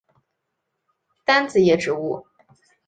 单子叶植物。